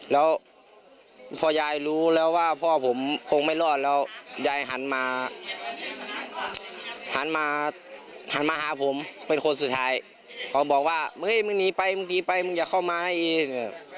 แล้วพอยายรู้แล้วว่าพ่อผมคงไม่รอดแล้วยายหันมาหันมาหันมาหาผมเป็นคนสุดท้ายเขาบอกว่ามึงเฮ้ยมึงหนีไปมึงหนีไปมึงอย่าเข้ามาให้เอง